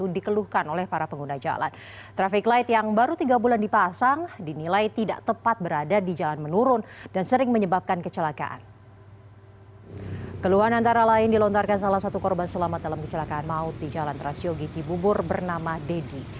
di jalan trasyo gici bubur bernama deddy